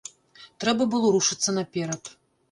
Трэба было рушыцца наперад.